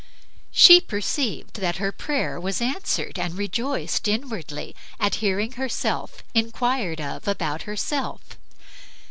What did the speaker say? She perceived that her prayer was answered and rejoiced inwardly at hearing herself inquired of about herself.